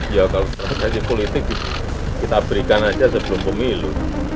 ya kalau strategi politik kita berikan aja sebelum pemilu